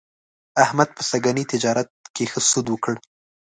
احمد په سږني تجارت کې ښه سود وکړ.